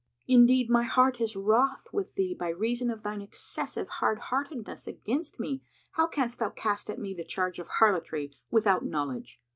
Indeed, my heart is wroth with thee, by reason of thine excessive hardheartedness against me! How canst thou cast at me the charge of harlotry, without knowledge?